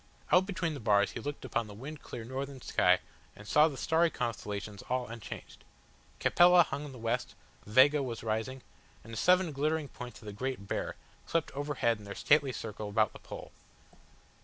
Out between the bars he looked upon the wind clear northern sky and saw the starry constellations all unchanged. Capella hung in the west, Vega was rising, and the seven glittering points of the Great Bear swept overhead in their stately circle about the Pole.